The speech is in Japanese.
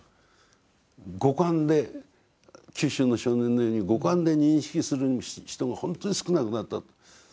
五感で九州の少年のように五感で認識する人がほんとに少なくなった。